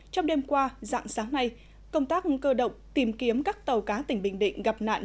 trong đêm qua dạng sáng nay công tác cơ động tìm kiếm các tàu cá tỉnh bình định gặp nạn